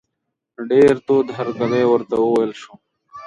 ډېر تود هرکلی ورته وویل شو.